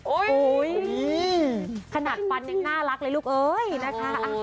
โอ้โหขนาดฟันยังน่ารักเลยลูกเอ้ยนะคะ